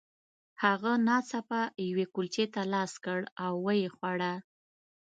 هغه ناڅاپه یوې کلچې ته لاس کړ او ویې خوړه